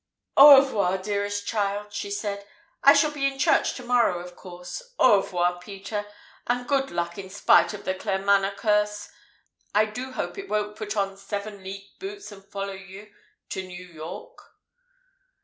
"Au revoir, dearest child," she said. "I shall be in church to morrow, of course. Au revoir, Peter, and good luck in spite of the Claremanagh curse. I do hope it won't put on seven league boots and follow you to New York."